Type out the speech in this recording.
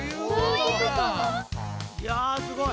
いやすごい。